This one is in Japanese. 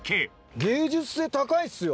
芸術性高いっすよ。